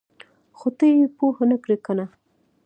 ـ خو ته یې پوهه نه کړې کنه!